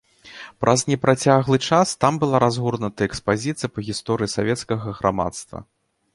Праз непрацяглы час там была разгорнута экспазіцыя па гісторыі савецкага грамадства.